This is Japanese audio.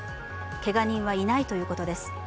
けが人はいないということです。